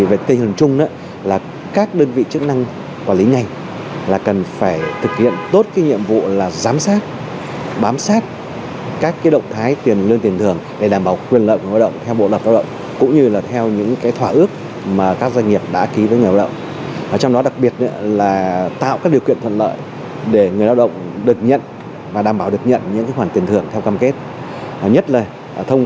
về tình hình chung các đơn vị chức năng quản lý ngành cần phải thực hiện tốt nhiệm vụ giám sát bám sát các động thái tiền lương tiền thưởng để đảm bảo quyền lợi của người lao động theo bộ luật lao động